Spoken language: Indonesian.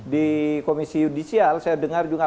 di komisi yudisial saya dengar juga